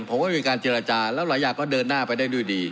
ผมก็มีการเจรจาแล้วหลายอย่างก็เดินหน้าไปได้ด้วยดี